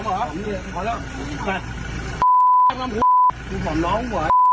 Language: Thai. มันหอมน้อง